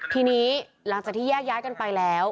ทีนี้หลังจากที่แยกย้ายกันไปแล้ว